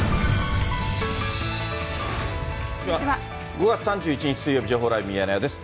５月３１日水曜日、情報ライブミヤネ屋です。